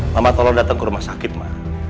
mama tolong datang ke rumah sakit mah